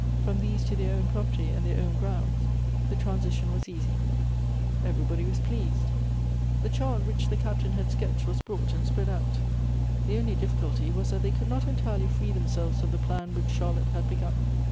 From these to their own property and their own grounds, the transition was easy. Everybody was jjleased. The chart which the Captain had sketched was brought and sjiread out. The only Elective Affinities. 59 difficulty was, that they could not entirely free themselves of the plan in which Charlotte had begun.